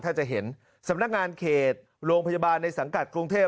ถ้าจะเห็นสำนักงานเขตโรงพยาบาลในสังกัดกรุงเทพ